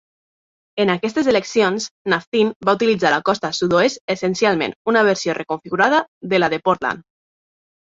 En aquestes eleccions, Napthine va utilitzar a la costa sud-oest essencialment una versió reconfigurada de la de Portland.